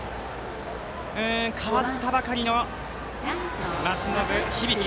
代わったばかりの松延響。